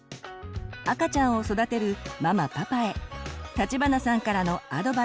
赤ちゃんを育てるママパパへ立花さんからのアドバイスです。